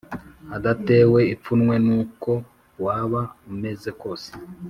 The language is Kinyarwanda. udatewe ipfunwe n’uko waba umeze kose